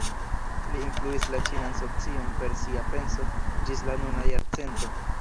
Li influis la ĉinan socion per sia penso ĝis la nuna jarcento.